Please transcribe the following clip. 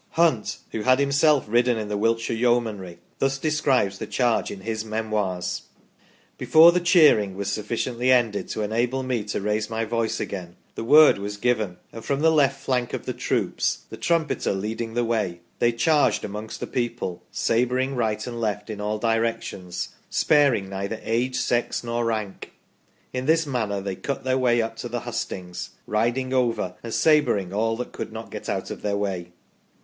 Hunt, who had himself ridden in the Wiltshire Yeomanry, thus describes the charge in his " Memoirs ":" Before the cheering was sufficiently ended to enable me to raise my voice again, the word was given, and from the left flank of the troops, the trumpeter leading the way, they charged amongst the people, sabring right and left, in all directions, sparing neither age, sex, nor rank. In this manner they cut their way up to the hustings, riding over and sabring all that could not get out of their way."